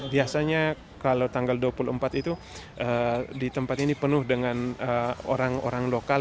biasanya kalau tanggal dua puluh empat itu di tempat ini penuh dengan orang orang lokal